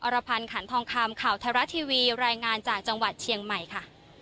รพันธ์ขันทองคำข่าวไทยรัฐทีวีรายงานจากจังหวัดเชียงใหม่ค่ะ